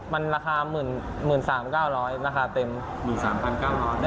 มันราคา๑๓๙๐๐ราคาเต็มอยู่๓๙๐๐บาท